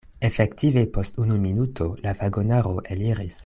Efektive post unu minuto la vagonaro eliris.